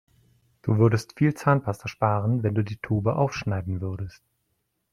Du würdest viel Zahnpasta sparen, wenn du die Tube aufschneiden würdest.